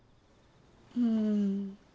うん。